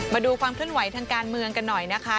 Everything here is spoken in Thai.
มาดูความเคลื่อนไหวทางการเมืองกันหน่อยนะคะ